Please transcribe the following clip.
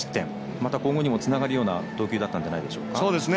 また今後にもつながるような投球だったんじゃないでしょうか。